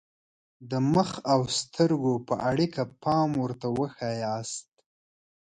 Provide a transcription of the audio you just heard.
د مخ او سترګو په اړیکه پام ورته وښایاست.